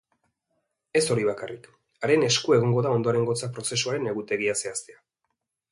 Ez hori bakarrik, haren esku egongo da ondorengotza prozesuaren egutegia zehaztea.